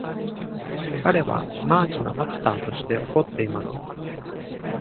彼はマーチのハッターとして怒っています。